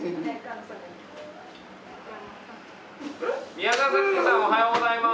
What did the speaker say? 宮澤祥子さんおはようございます！